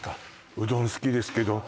うどん好きですけどあ